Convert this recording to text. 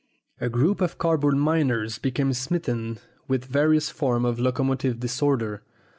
A group of card board miners became smitten with various forms of locomotive disorder.